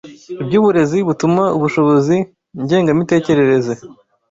iby’uburezi butuma ubushobozi ngengamitekerereze